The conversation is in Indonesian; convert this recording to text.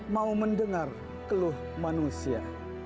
mau mendengar keluh manusia